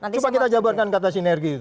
coba kita jabarkan kata sinergi itu